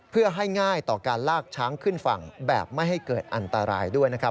เพื่อให้ง่ายต่อการลากช้างขึ้นฝั่งแบบไม่ให้เกิดอันตรายด้วยนะครับ